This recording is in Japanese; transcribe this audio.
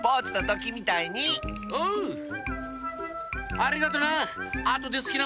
ありがとな！